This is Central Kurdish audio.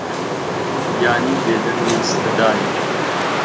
یانی بێدەنگ و سەدایە